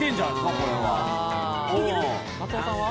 これは。